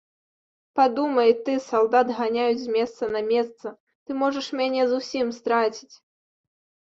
Падумай ты, салдат ганяюць з месца на месца, ты можаш мяне зусім страціць.